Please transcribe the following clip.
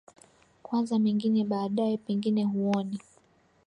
kwanza mengine baadaye pengine huoni